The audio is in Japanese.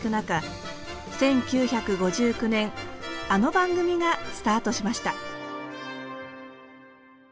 １９５９年あの番組がスタートしました。